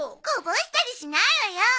こぼしたりしないわよ。